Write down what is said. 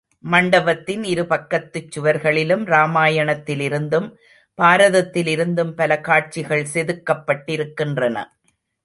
மண்டபத்தின் இரு பக்கத்துச் சுவர்களிலும் ராமாயணத்திலிருந்தும், பாரதத்திலிருந்தும் பல காட்சிகள் செதுக்கப்பட்டிருக்கின்றன.